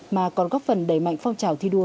mà còn góp phần đẩy mạnh phong trào thi đua